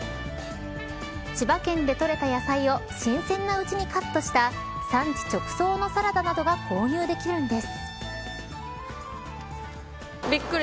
千葉県で採れた野菜を新鮮なうちにカットした産地直送のサラダなどが購入できるんです。